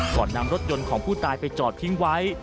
ก่อนนำรถยนต์ของผู้ตายไปจอดทิ้งไว้